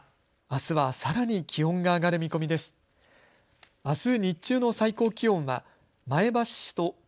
あすはさらに気温が上がる見込みです。